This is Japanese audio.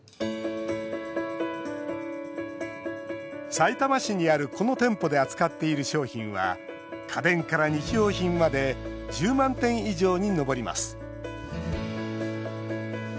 さいたま市にある、この店舗で扱っている商品は家電から日用品まで１０万点以上に上ります。